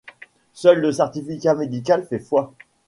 Seul le certificat médical fait foi.